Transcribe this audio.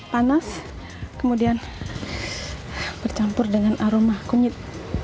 panas kemudian bercampur dengan aroma kunyit